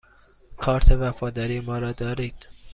کارت وفاداری ما را دارید؟